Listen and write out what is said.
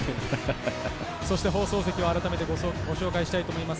放送席を改めてご紹介します。